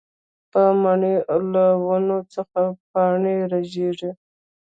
پۀ مني له ونو څخه پاڼې رژيږي